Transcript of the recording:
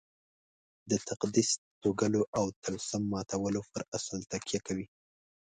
د تقدس توږلو او طلسم ماتولو پر اصل تکیه کوي.